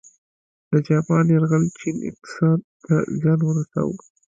د جاپان یرغل چین اقتصاد ته زیان ورساوه.